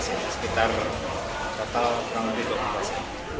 di sekitar total kurang lebih dua puluh pasien